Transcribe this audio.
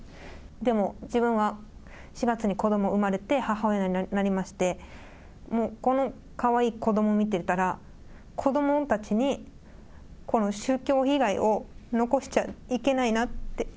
でも、自分は４月に子ども生まれて母親になりまして、もうこのかわいい子ども見てたら、子どもたちにこの宗教被害を残しちゃいけないなって。